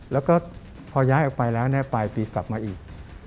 แล้วก็พอย้ายออกไปแล้วปลายปีกลับมาอีก